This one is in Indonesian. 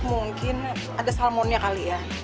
mungkin ada salmonnya kali ya